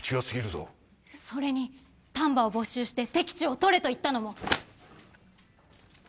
それに丹波を没収して敵地を取れと言ったのも。